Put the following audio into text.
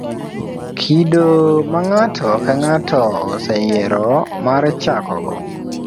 kido ma ng'ato ka ng'ato oseyiero mar chakogo.